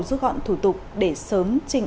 rút gọn thủ tục để sớm trình